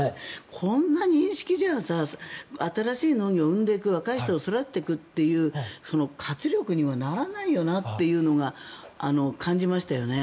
こんな認識じゃ新しい農業を生んでいく若い人を育てていくっていう活力にはならないよなっていうのが感じましたよね。